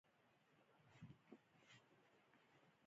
د تورې دانې دانه د څه لپاره وکاروم؟